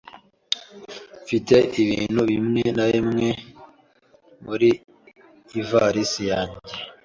Mfite ibintu bimwe na bimwe muri ivalisi yanjye.